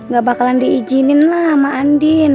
gak bakalan diizinin lah sama andin